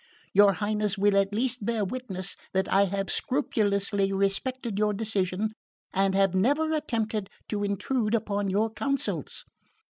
Your Highness will at least bear witness that I have scrupulously respected your decision, and have never attempted to intrude upon your counsels."